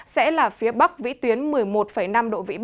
sẽ là phía bắc vĩ tuyến một mươi một năm km